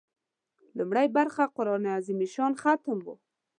لومړۍ برخه قران عظیم الشان ختم و.